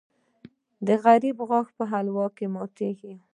د غریب غاښ په حلوا کې ماتېږي.